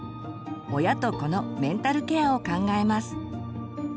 親と子のメンタルケアを考えます。